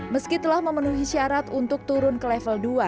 meski telah memenuhi syarat untuk turun ke level dua